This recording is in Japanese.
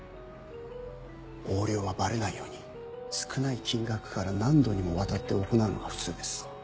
横領はバレないように少ない金額から何度にもわたって行うのが普通です。